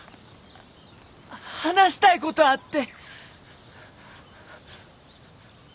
話したいことあって。